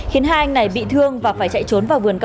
khiến hai anh này bị thương và phải trả tiền